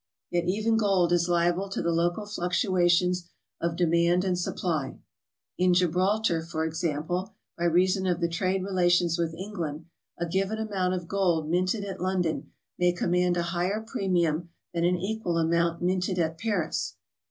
Yet even gold is liable to the local fluctuations of demand and supply; in Gibraltar, for example, by reason of the trade relations with England, a given amount of gold minted at London may command a higher premium than an equal SOMEWHAT FINANCIAL. 189 amount minted at Paris.